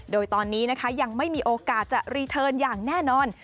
โดยตอนนี้นะคะยังไม่มีโอกาสจะรีเทิร์นอย่างแน่นอน